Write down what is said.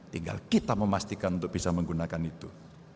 tinggal kita memastikan untuk bisa menggunakan itu